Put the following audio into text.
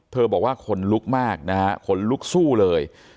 เธอบอกว่าคนลุกมากคนลุกสู้เลย